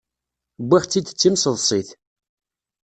Wwiɣ-tt-id d timseḍsit.